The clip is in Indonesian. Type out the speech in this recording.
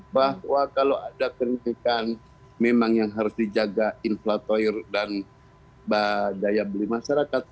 bahwa kalau ada kritikan memang yang harus dijaga inflator dan daya beli masyarakat